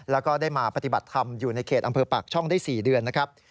แล้วก็ได้มาปฏิบัติธรรมอยู่ในเขตอำเภอปากช่องได้๔เดือนนะครับ